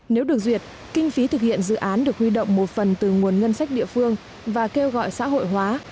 nếu được duyệt kinh phí thực hiện dự án được huy động một phần từ nguồn ngân sách địa phương và kêu gọi xã hội hóa